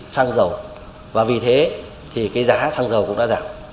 xăng dầu và vì thế thì cái giá xăng dầu cũng đã giảm